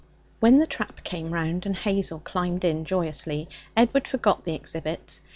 When the trap came round, and Hazel climbed in joyously, Edward forgot the exhibits.